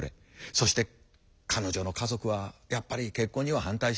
そして彼女の家族はやっぱり結婚には反対した。